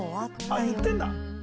あっ言ってんだ！